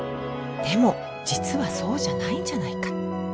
でも実はそうじゃないんじゃないか。